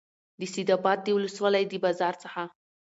د سیدآباد د ولسوالۍ د بازار څخه